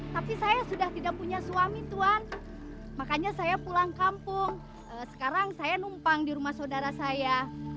tapi saya sudah tidak punya suami tuan makanya saya pulang kampung sekarang saya numpang di rumah saudara saya